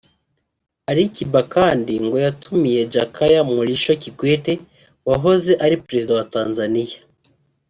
Ali Kiba kandi ngo yatumiye Jakaya Mrisho Kikwete wahoze ari Perezida wa Tanzania